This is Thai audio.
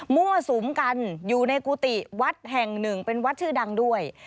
มั่วสุมกันอยู่ในกุฏิวัดแห่งหนึ่งเป็นวัดชื่อดังด้วย